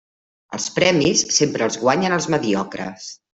Els premis sempre els guanyen els mediocres.